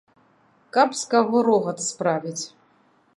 Каб з каго рогат справіць.